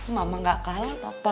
mama nggak kalah papa